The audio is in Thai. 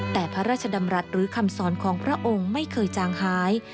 แต่พระราชดำรัฐหรือคำสอนของพระองค์ไม่เคยจางหาย